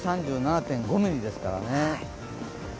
２３７．５ミリですからね。